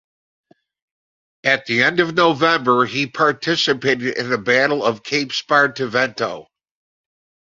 At the end of November he participated in the battle of Cape Spartivento.